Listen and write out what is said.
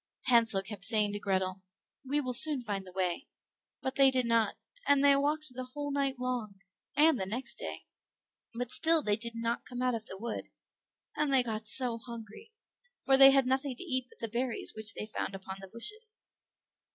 Hansel kept saying to Grethel, "We will soon find the way"; but they did not, and they walked the whole night long and the next day, but still they did not come out of the wood; and they got so hungry, for they had nothing to eat but the berries which they found upon the bushes.